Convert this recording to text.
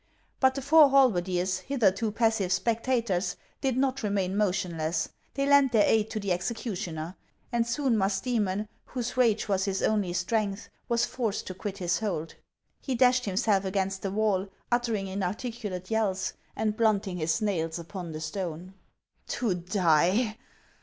But the four halberdiers, hitherto passive spectators, did not remain motionless. They lent their aid to the execu tioner ; and soon Musdceinon, whose rage was his only strength, was forced to quit his hold. He dashed himself against the wall, uttering inarticulate yells, and blunting his nails upon the stone. " To die